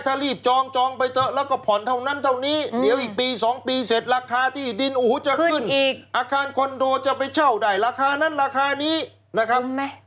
ถ้ารีบจองจองไปเถอะแล้วก็ผ่อนเท่านั้นเท่านี้เดี๋ยวอีกปี๒ปีเสร็จราคาที่ดินโอ้โหจะขึ้นอีกอาคารคอนโดจะไปเช่าได้ราคานั้นราคานี้นะครับ